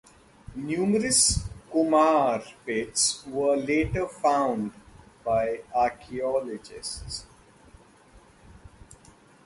Numerous kumara pits were later found by archeologists.